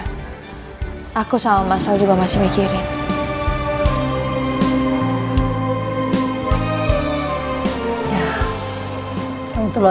tapi aku masih belum tahu hukuman apa yang pantas untuk dia